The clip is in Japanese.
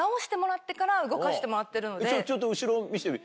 ちょっと後ろ見せてみ。